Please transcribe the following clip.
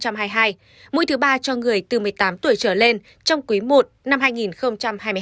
mũi thứ ba cho người từ một mươi tám tuổi trở lên trong quý i năm hai nghìn hai mươi hai